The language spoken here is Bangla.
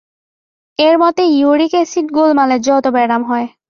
এঁর মতে ইউরিক এসিড-গোলমালে যত ব্যারাম হয়।